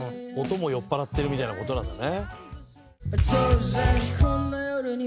音も酔っ払ってるみたいな事なんだね。